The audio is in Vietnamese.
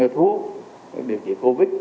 thuốc điều trị covid